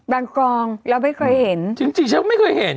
กองเราไม่เคยเห็นจริงจริงฉันก็ไม่เคยเห็น